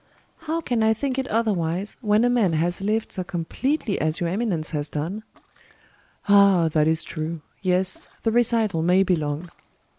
"How can I think it otherwise, when a man has lived so completely as your eminence has done?" "Ah! that is true!—yes—the recital may be long."